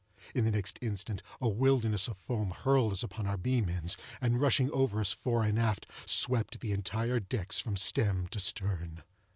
In the next instant, a wilderness of foam hurled us upon our beam ends, and, rushing over us fore and aft, swept the entire decks from stem to stern.